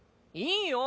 いいよ！